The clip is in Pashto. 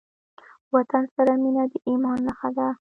وطن سره مينه د ايمان نښه ده.